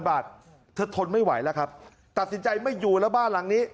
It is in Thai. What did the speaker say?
บาทเธอทนไม่ไหวแล้วครับตัดสินใจไม่อยู่แล้วบ้านหลังนี้